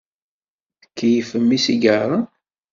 Tkeyyfem isigaṛen.